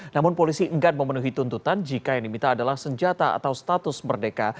namun polisi enggan memenuhi tuntutan jika yang diminta adalah senjata atau status merdeka